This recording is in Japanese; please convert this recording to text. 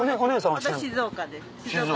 私静岡です。